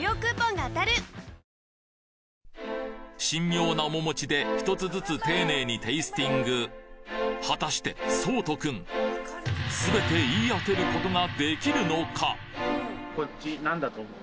神妙な面持ちでひとつずつ丁寧にテイスティング果たしてそうと君すべて言い当てることができるのか？